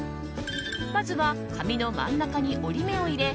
まずは紙の真ん中に折り目を入れ